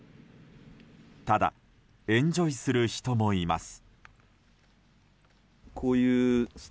ただエンジョイする人もいます。